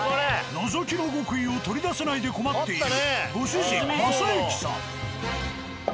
「覗きの極意」を取り出せないで困っている。